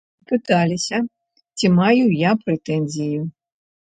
Пыталіся, ці маю я прэтэнзіі.